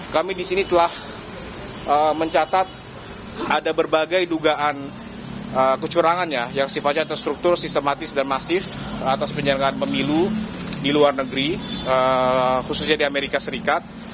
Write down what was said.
kami di sini telah mencatat ada berbagai dugaan kecurangan yang sifatnya terstruktur sistematis dan masif atas penyelenggaraan pemilu di luar negeri khususnya di amerika serikat